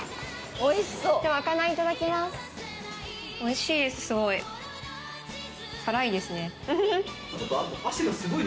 美味しいです、すごい。